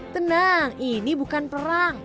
tenang ini bukan perang